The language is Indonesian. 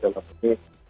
dalam hal ini